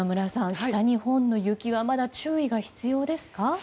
北日本の雪はまだ注意が必要ですか？